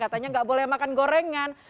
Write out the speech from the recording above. katanya nggak boleh makan gorengan